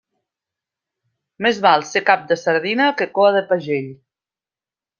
Més val ser cap de sardina que coa de pagell.